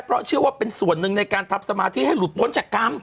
เพราะเชื่อว่าเป็นส่วนหนึ่งในการทำสมาธิให้หลุดพ้นจากกรรม